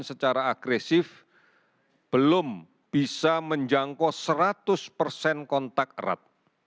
secara agresif belum bisa menjangkau seratus persen kontak erat